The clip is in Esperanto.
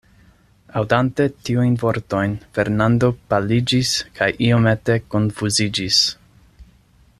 Aŭdante tiujn vortojn, Fernando paliĝis kaj iomete konfuziĝis.